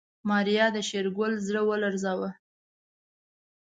ماريا د شېرګل زړه ولړزاوه.